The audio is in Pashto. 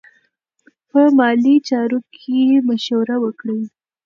په مالي چارو کې مشوره وکړئ.